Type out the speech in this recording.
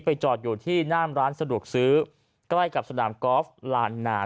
จอดอยู่ที่หน้ามร้านสะดวกซื้อใกล้กับสนามกอล์ฟลานนา